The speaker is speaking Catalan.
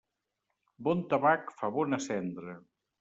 Bon tabac fa bona cendra.